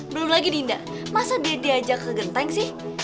belum lagi dinda masa dia diajak ke genteng sih